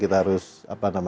kita harus pahami